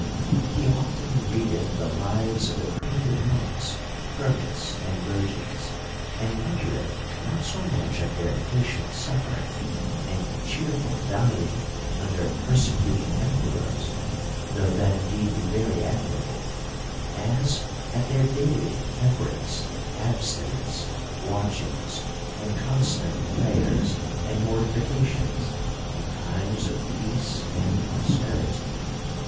He often readeth the lives of the primitive monks, hermits, and virgins ; and wondereth not so much at their patient suffering, and cheerful dying under persecuting emperors (though that indeed be very admirable), as at their daily temperance, absti nence, watchings, and constant prayers, and mortifica tions, in times of peace and prosperity.